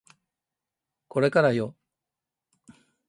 これからよ